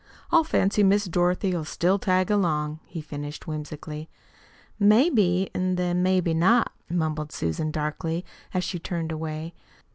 I fancy Miss Dorothy'll still tag along," he finished whimsically. "Maybe, an' then maybe not," mumbled Susan darkly, as she turned away.